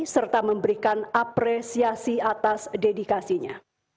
serta memberikan apresiasi atas dedikasinya